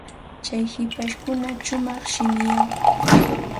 Tsay hipashpuka shumaq shimichayuqmi.